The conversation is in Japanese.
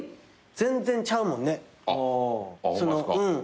全然ちゃうもんね。